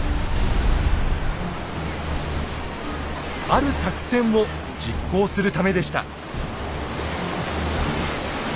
ある作戦を実行するためでした。